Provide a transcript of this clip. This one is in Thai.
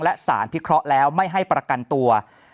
และสารพิเคราะห์แล้วไม่ให้ประกันตัว